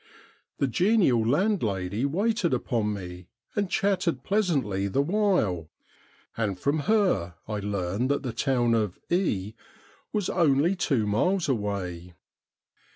The genial landlady waited upon me, and chatted pleasantly the while, and from her I learned that the town of E was only two miles away.